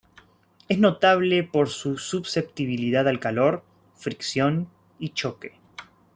Es notable por su susceptibilidad al calor, fricción, y choque.